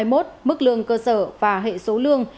mức lương cơ sở và hệ số lương